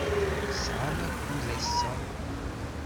Tesɛam akud ass-a?